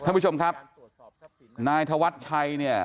ท่านผู้ชมครับนายธวัชชัยเนี่ย